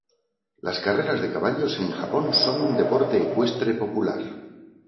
Las carreras de caballos en Japón son un deporte ecuestre popular.